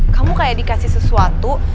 kamu kayak dikasih sesuatu